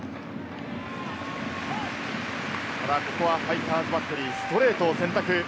ただここはファイターズバッテリー、ストレートを選択。